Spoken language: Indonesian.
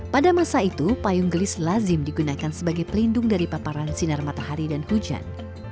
pada masa itu payung gelis lazim digunakan sebagai pelindung dari paparan sinar matahari dan hujan